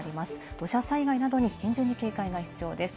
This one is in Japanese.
土砂災害などに厳重に警戒が必要です。